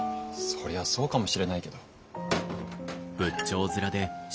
そりゃそうかもしれないけど。